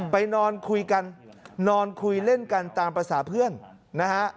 ไปนอนคุยกันนอนคุยเล่นกันตามภาษาเพื่อนนะฮะ